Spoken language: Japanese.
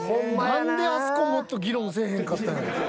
何であそこもっと議論せぇへんかったんやろ。